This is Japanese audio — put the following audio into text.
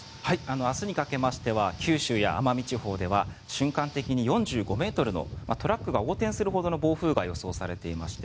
明日にかけましては九州や奄美地方では瞬間的に４５ｍのトラックが横転するほどの暴風が予想されていまして